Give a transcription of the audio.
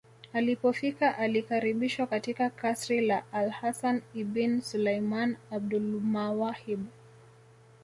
Alipofika alikaribishwa katika kasri la alHasan ibn Sulaiman AbulMawahib